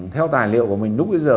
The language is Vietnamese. theo tài liệu của mình lúc bây giờ